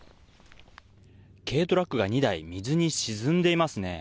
軽トラックが２台、水に沈んでいますね。